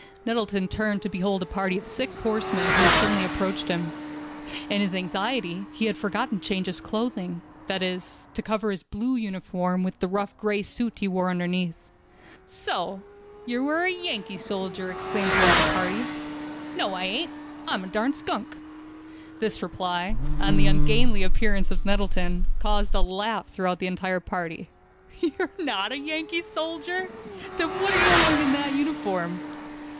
Nettleton turned to behold a party of six horsemen who had suddenly approached him. In his anxiety he had forgotten to change his clothing—that is, to cover his blue uniform with the rough gray suit he wore underneath. "So, you are a Yankee soldier," exclaimed one of the party. "No I ain't; I'm a darn skunk." This reply, and the ungainly appearance of Nettleton, caused a laugh throughout the entire party. "You are not a Yankee soldier? Then what are you doing with that uniform?"